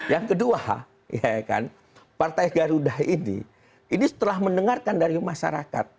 yang kedua partai garuda ini ini setelah mendengarkan dari masyarakat